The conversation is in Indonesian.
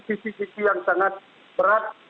sisi sisi yang sangat berat